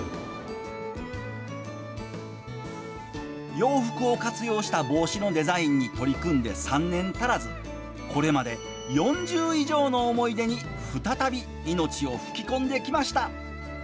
洋服を活用した帽子のデザインに取り組んで３年足らずこれまで４０以上の思い出に再び命を吹き込んできました。